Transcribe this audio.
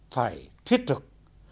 phải thiết thực